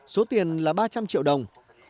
số tiền là ba trăm linh triệu đồng